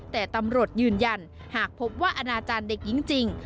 แต่ตำรวจยืนยันหากพบว่าอนาจารย์เด็กหญิงจริง